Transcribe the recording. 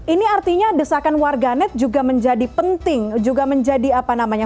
ini artinya desakan warganet juga menjadi penting juga menjadi apa namanya